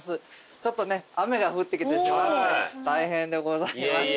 ちょっとね雨が降ってきてしまって大変でございました。